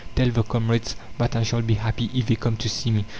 Tell the comrades that I shall be happy if they come to see me."